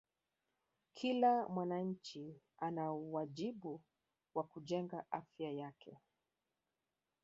Kila mwananchi ana wajibu wa kujenga Afya yake